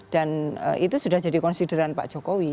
dan itu sudah jadi konsideran pak jokowi